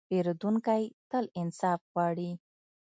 پیرودونکی تل انصاف غواړي.